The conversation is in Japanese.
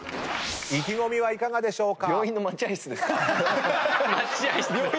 意気込みはいかがでしょうか？